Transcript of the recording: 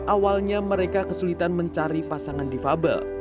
awalnya mereka kesulitan mencari pasangan di fabel